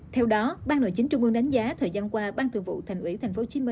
theo đó ban nội chính trung ương đánh giá thời gian qua ban thượng vụ thành ủy tp hcm